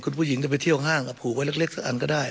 คุณผู้หญิงจะไปเที่ยวห้างก็ผูกไว้เล็กสักอันก็ได้